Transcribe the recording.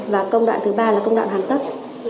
và công đoạn thứ ba là công đoạn hoàn tất